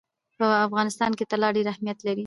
په افغانستان کې طلا ډېر اهمیت لري.